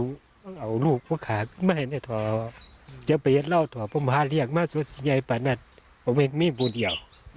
ก็เอาลูกมาขาดมาแร็วจากว่านั้นก็เป็นมีปุ่นเยาต์